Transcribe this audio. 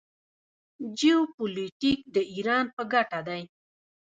جیوپولیټیک د ایران په ګټه دی.